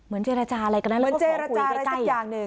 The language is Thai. เหมือนเจรจาอะไรกันนะแล้วพวกเราคุยใกล้